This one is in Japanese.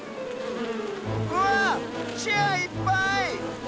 うわっチェアいっぱい！